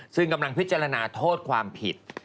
ซึ่งกำลังพิจารณาโทษความผิด